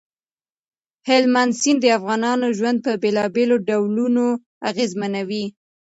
هلمند سیند د افغانانو ژوند په بېلابېلو ډولونو اغېزمنوي.